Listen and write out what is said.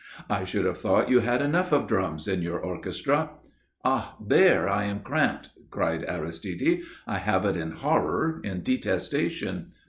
"I should have thought you had enough of drums in your orchestra." "Ah! there I am cramped!" cried Aristide. "I have it in horror, in detestation.